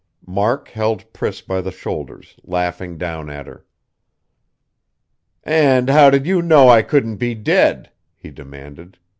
Mark held Priss by the shoulders, laughing down at her. "And how did you know I couldn't be dead?" he demanded.